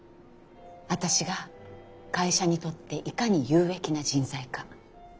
私が会社にとっていかに有益な人材か。